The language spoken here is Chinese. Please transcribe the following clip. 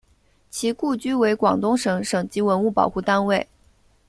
其故居为广东省省级文物保护单位。